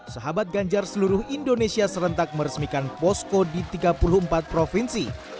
sahabat ganjar seluruh indonesia serentak meresmikan posko di tiga puluh empat provinsi